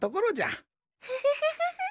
フフフフフ。